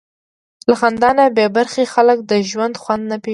له خندا نه بېبرخې خلک د ژوند خوند نه پېژني.